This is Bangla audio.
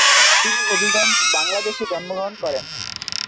তিনি হবিগঞ্জ, বাংলাদেশে জন্মগ্রহণ করেন।